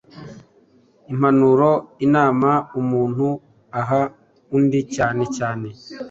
impanuro, inama umuntu aha undi cyane cyane